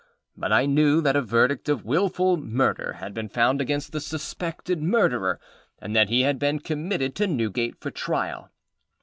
But I knew that a verdict of Wilful Murder had been found against the suspected murderer, and that he had been committed to Newgate for trial.